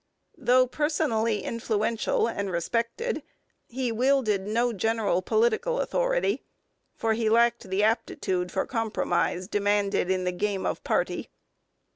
Though personally influential and respected, he wielded no general political authority, for he lacked the aptitude for compromise demanded in the game of party.